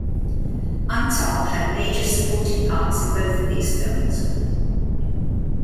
Antal had major supporting parts in both of these films.